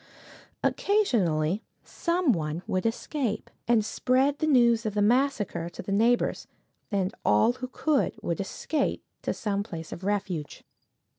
Occasionally some one would escape, and spread the news of the massacre to the neighbors, and all who could would escape to some place of refuge.